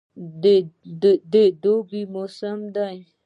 د دوبی موسم ده